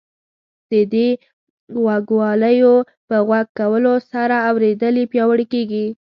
د دې غوږوالیو په غوږ کولو سره اورېدل یې پیاوړي کیږي.